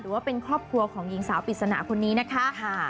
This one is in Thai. ว่าเป็นครอบครัวของหญิงสาวปริศนาคนนี้นะคะ